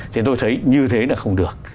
thì tôi thấy như thế là không được